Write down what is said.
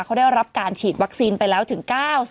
เขาได้รับการฉีดวัคซีนไปแล้วถึง๙๐